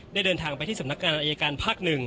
เดินทางไปที่สำนักงานอายการภาค๑